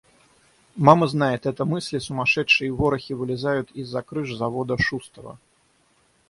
Мама знает — это мысли сумасшедшей ворохи вылезают из-за крыш завода Шустова.